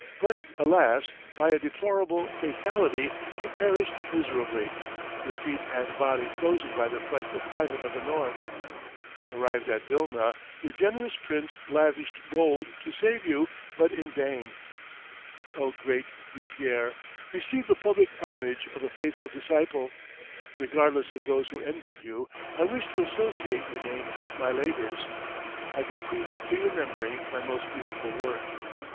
But alas, by a deplorable fatality, you perished miserably, your feet and body frozen by the frightful climate of the north. Arrived at Vilna, your generous prince lavished gold to save you, but in vain. O great Guipière, receive the public homage of a faithful disciple. Regardless of those who envied you, I wish to associate your name with my labors. I bequeath to your memory my most beautiful work.